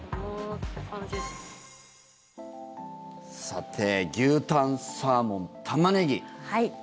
さて牛タン、サーモンタマネギ。